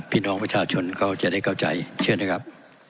พี่น้องประชาชนก็จะได้เข้าใจเชื่อนะครับ